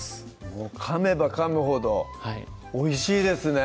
もうかめばかむほどおいしいですね